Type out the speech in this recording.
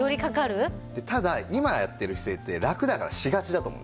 ただ今やってる姿勢ってラクだからしがちだと思うんです。